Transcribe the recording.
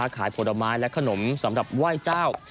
ขายผลไม้และขนมสำหรับไหว้เจ้า